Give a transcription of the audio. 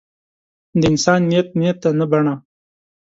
د انسان نیت نیت دی نه بڼه.